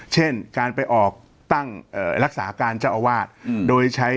เช่นการไปออกตั้งรักษาการเจ้าอาวาสโดยใช้